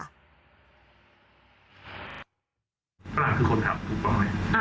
อาทิตย์คือคนขับถูกต้องไหม